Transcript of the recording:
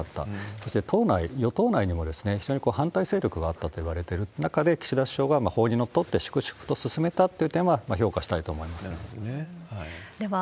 そして党内、与党内にも非常に反対勢力があったといわれてる中で、岸田首相が法にのっとって粛々と進めたっていう点は、評価したいなるほどね。